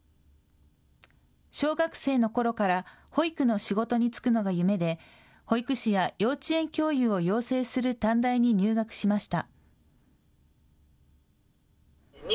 小学生のころから保育の仕事に就くのが夢で保育士や幼稚園教諭を養成する短大に入学しました。